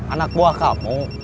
anak buah kamu